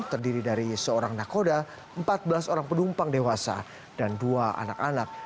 terdiri dari seorang nakoda empat belas orang penumpang dewasa dan dua anak anak